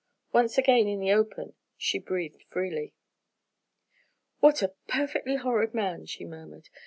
Once again in the open, she breathed freely. "What a perfectly horrid man," she murmured.